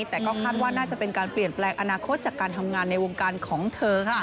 แต่ก็คาดว่าน่าจะเป็นการเปลี่ยนแปลงอนาคตจากการทำงานในวงการของเธอ